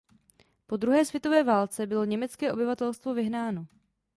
Po druhé světové válce bylo německé obyvatelstvo vyhnáno.